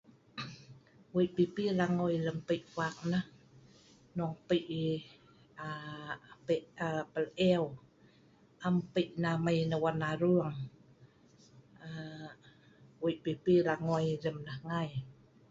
Wei' pipi langoi lem pei' hawk nah, hnong Pei' ai aa Pei' aa pel eu', am Pei' nah mai wan arung, aa wei' pipi langoi lem nah ngai.